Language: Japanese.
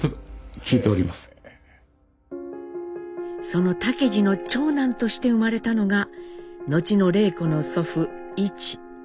その竹次の長男として生まれたのが後の礼子の祖父一。